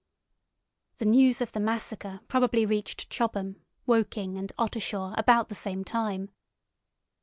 The news of the massacre probably reached Chobham, Woking, and Ottershaw about the same time.